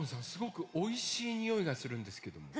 すごくおいしいにおいがするんですけど。